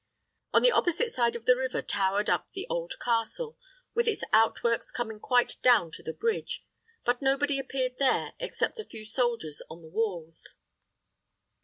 On the opposite side of the river towered up the old castle, with its outworks coming quite down to the bridge; but nobody appeared there except a few soldiers on the walls.